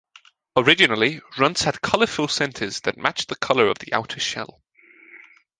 Originally, Runts had colorful centers that matched the color of the outer shell.